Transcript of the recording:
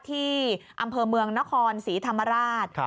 ที่อำเภอเมืองนครศรีธรรมราช